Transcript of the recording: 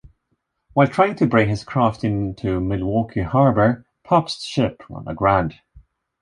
While trying to bring his craft into Milwaukee harbor, Pabst's ship ran aground.